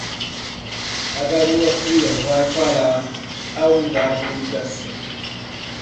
A garoa fria vai parar a unidade de ligação.